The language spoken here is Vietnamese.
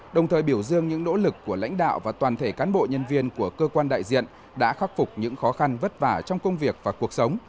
đồng thời biểu dương những nỗ lực của lãnh đạo và toàn thể cán bộ nhân viên của cơ quan đại diện đã khắc phục những khó khăn vất vả trong công việc và cuộc sống